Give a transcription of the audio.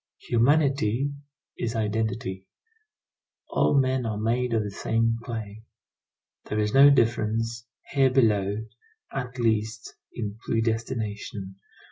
Humanity is identity. All men are made of the same clay. There is no difference, here below, at least, in predestination.